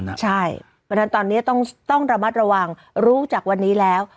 เพราะฉะนั้นตอนนี้ต้องระมัดระวังรู้จากวันนี้แล้ว